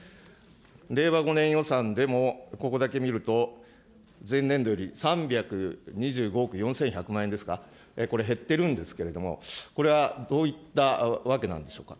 令和５年予算でもここだけ見ると、前年度より３２５億４１００万円ですか、これ、減ってるんですけれども、これはどういった訳なんでしょうか。